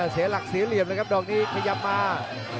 เสียหลักเสียเหลี่ยมเลยครับดอกนี้ขยับมา